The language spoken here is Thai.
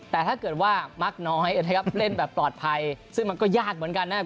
แต่ถ้าเกิดว่ามักน้อยนะครับเล่นแบบปลอดภัยซึ่งมันก็ยากเหมือนกันนะครับ